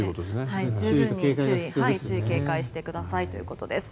十分に注意・警戒してくださいということです。